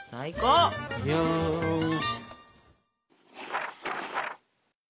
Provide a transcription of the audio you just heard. よし。